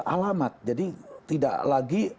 alamat jadi tidak lagi